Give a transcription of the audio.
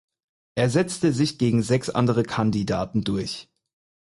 Er setzte sich gegen sechs andere Kandidaten durch.